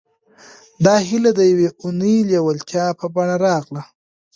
دا هيله د يوې اورنۍ لېوالتيا په بڼه راغله.